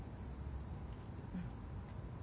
うん。